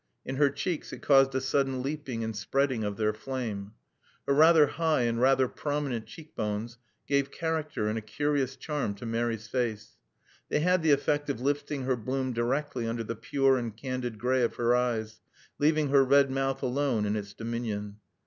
In her cheeks it caused a sudden leaping and spreading of their flame. Her rather high and rather prominent cheek bones gave character and a curious charm to Mary's face; they had the effect of lifting her bloom directly under the pure and candid gray of her eyes, leaving her red mouth alone in its dominion.